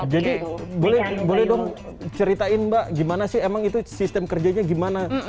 jadi boleh dong ceritain mbak gimana sih emang itu sistem kerjanya gimana